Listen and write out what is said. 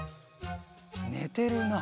ねてるな。